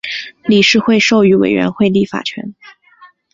理事会授予委员会立法权。